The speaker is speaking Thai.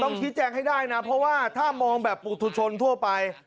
ชี้แจงให้ได้นะเพราะว่าถ้ามองแบบปุธุชนทั่วไป